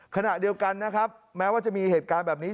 ขณะเดียวกันนะครับแม้ว่าจะมีเหตุการณ์แบบนี้